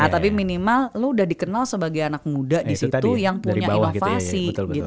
tapi minimal lo udah dikenal sebagai anak muda di situ yang punya inovasi gitu